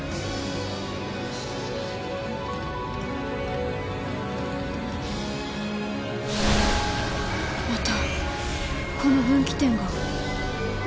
心の声またこの分岐点が。